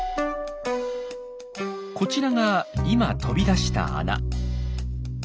こちらが今飛び出した穴。